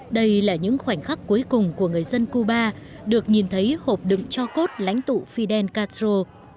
đây là những khoảnh khắc cuối cùng của người dân cuba được nhìn thấy hộp đựng cho cốt lãnh tụ fidel castro